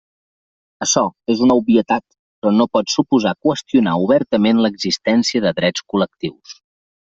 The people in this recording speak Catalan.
Açò és una obvietat, però no pot suposar qüestionar obertament l'existència de drets col·lectius.